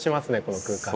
この空間。